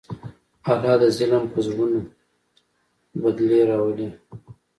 الله د ظلم په زړونو بدلې راولي.